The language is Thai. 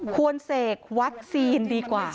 ควรเศกวัคซีนดีกว่า